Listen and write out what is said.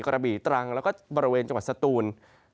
กระบี่ตรังแล้วก็บริเวณจังหวัดสตูน